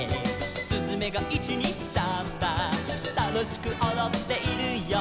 「すずめが１・２・サンバ」「楽しくおどっているよ」